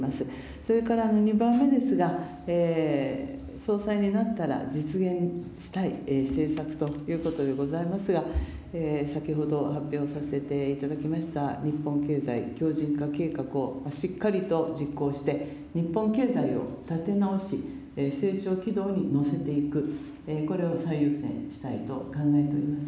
それから２番目ですが、総裁になったら実現したい政策ということでございますが、先ほど発表させていただきました、日本経済強じん化計画をしっかりと実行して、日本経済を立て直し、成長軌道に乗せていく、これを最優先にしたいと考えております。